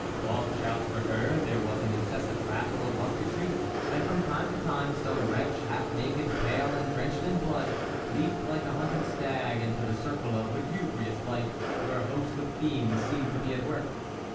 Long shouts were heard, there was an incessant rattle of musketry, and from time to time some wretch, half naked, pale, and drenched in blood, leaped like a hunted stag into the circle of lugubrious light where a host of fiends seemed to be at work.